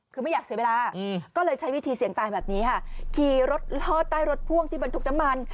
คือไม่อยากเสียเวลาก็เลยใช้วิธีเสี่ยงตายแบบนี้ค่ะขี่รถลอดใต้รถพ่วงที่บรรทุกน้ำมัน